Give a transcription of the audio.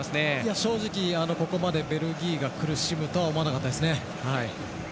正直、ここまでベルギーが苦しむとは思わなかったですね。